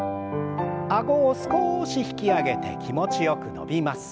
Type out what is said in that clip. あごを少し引き上げて気持ちよく伸びます。